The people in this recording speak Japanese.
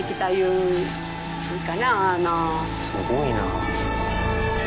すごいな。